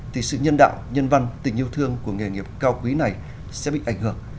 thì sự nhân đạo nhân văn tình yêu thương của nghề nghiệp cao quý này sẽ bị ảnh hưởng